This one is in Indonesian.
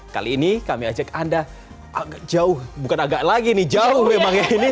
kali ini kami ajak anda jauh bukan agak lagi nih jauh memang ini